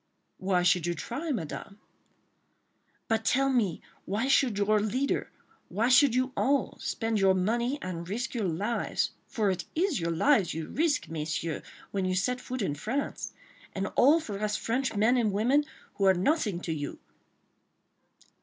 "Why should you try, Madame?" "But, tell me, why should your leader—why should you all—spend your money and risk your lives—for it is your lives you risk, Messieurs, when you set foot in France—and all for us French men and women, who are nothing to you?"